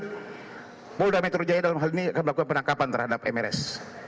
jadi polda metro jaya dalam hal ini akan melakukan penangkapan terhadap mrs